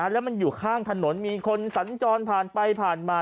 แล้วมันอยู่ข้างถนนมีคนสัญจรผ่านไปผ่านมา